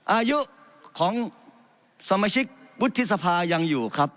อายุของสมาชิกวุฒิสภายังอยู่ครับ